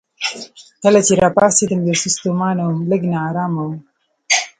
کله چې راپاڅېدم یو څه ستومانه وم، لږ نا ارامه وم.